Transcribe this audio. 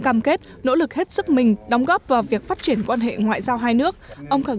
cam kết nỗ lực hết sức mình đóng góp vào việc phát triển quan hệ ngoại giao hai nước ông khẳng